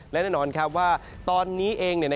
และแน่นอนว่าตอนนี้เอง